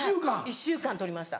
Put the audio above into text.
１週間とりました。